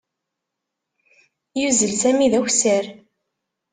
Yuzzel Sami d akessar.